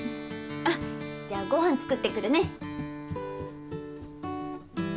あっじゃあご飯作ってくるね。